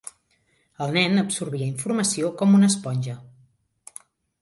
El nen absorbia informació com una esponja.